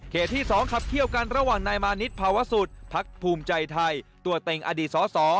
ที่๒ขับเขี้ยวกันระหว่างนายมานิดภาวะสุดพักภูมิใจไทยตัวเต็งอดีตสส